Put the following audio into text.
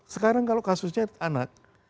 sekarang kalau kasusnya anak